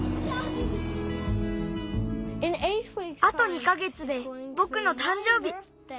あと２か月でぼくのたん生日。